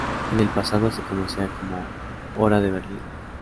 En el pasado se conocía como "hora de Berlín".